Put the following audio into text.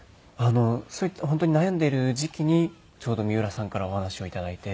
本当に悩んでいる時期にちょうど三浦さんからお話を頂いて。